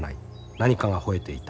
何かがほえていた。